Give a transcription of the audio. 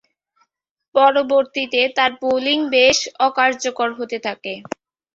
পরবর্তীতে তার বোলিং বেশ অকার্যকর হতে থাকে।